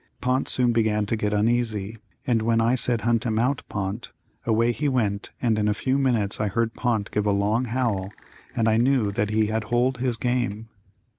Pont soon began to get uneasy, and when I said hunt him out Pont, away he went and in a few minutes I heard Pont give a long howl and I knew that he had holed his game.